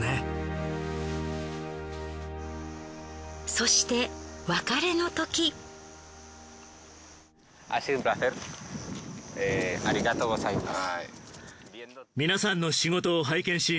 そしてありがとうございます。